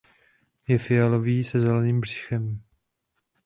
Je fialový se zeleným břichem.